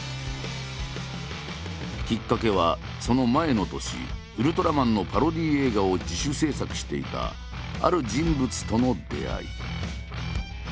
きっかけはその前の年「ウルトラマン」のパロディー映画を自主制作していたある人物との出会い。